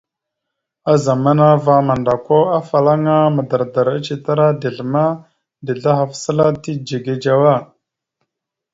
A zamana ava mandako, afalaŋa madardar acətara dezl ma, dezl ahaf səla tidze gidzewa.